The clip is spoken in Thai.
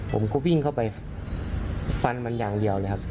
ผมก็วิ่งเข้าไปฟันมันอย่างเดียวเลยครับ